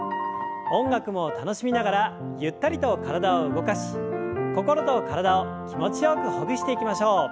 音楽も楽しみながらゆったりと体を動かし心と体を気持ちよくほぐしていきましょう。